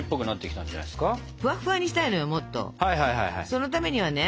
そのためにはね